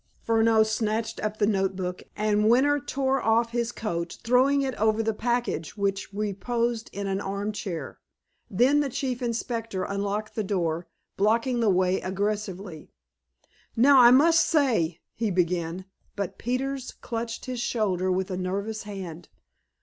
Furneaux snatched up the note book, and Winter tore off his coat, throwing it over the package which reposed in an armchair. Then the Chief Inspector unlocked the door, blocking the way aggressively. "Now, I must say—" he began. But Peters clutched his shoulder with a nervous hand.